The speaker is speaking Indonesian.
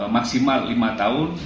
maksimal lima tahun